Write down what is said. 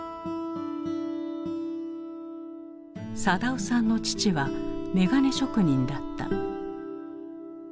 定男さんの父はめがね職人だった。